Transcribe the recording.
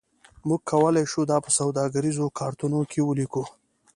موږ کولی شو دا په سوداګریزو کارتونو کې ولیکو